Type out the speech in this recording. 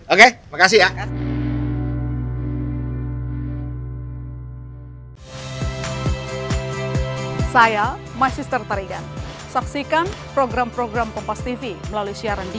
oke terima kasih ya